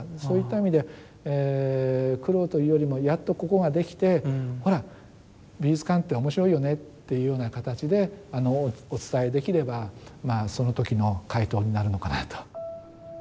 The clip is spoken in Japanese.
そういった意味で苦労というよりもやっとここができてほら美術館って面白いよねっていうような形でお伝えできればまあその時の回答になるのかなと。